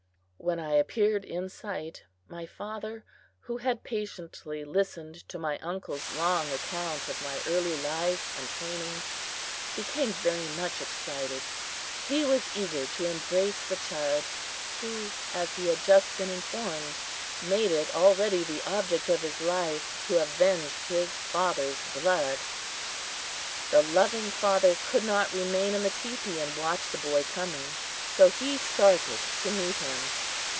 When I appeared in sight my father, who had patiently listened to my uncle's long account of my early life and training, became very much excited. He was eager to embrace the child who, as he had just been informed, made it already the object of his life to avenge his father's blood. The loving father could not remain in the teepee and watch the boy coming, so he started to meet him.